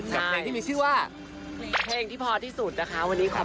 และเพลงที่มีชื่อว่า